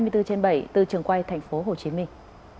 hai mươi bốn trên bảy từ trường quay thành phố hồ chí minh